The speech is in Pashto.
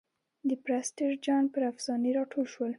د پرسټر جان پر افسانې را ټول شول.